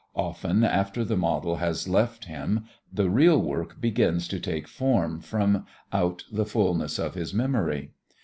Often after the model has left him the real work begins to take form from out the fulness of his memory.